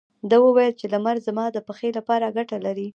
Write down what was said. ده وويل چې لمر زما د پښې لپاره ګټه لري.